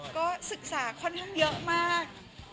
ก็ศึกษาค่อนข้างเยอะมาก